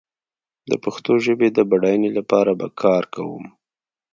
د پښتو ژبې د بډايينې لپاره به کار کوم